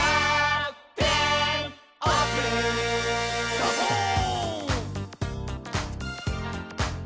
「サボーン！」